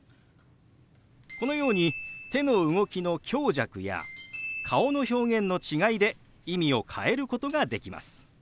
このように手の動きの強弱や顔の表現の違いで意味を変えることができます。